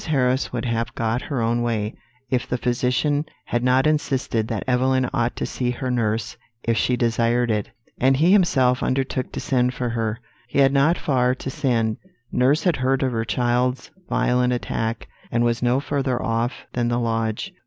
Harris would have got her own way, if the physician had not insisted that Evelyn ought to see her nurse if she desired it; and he himself undertook to send for her. He had not far to send. Nurse had heard of her child's violent attack, and was no further off than the lodge.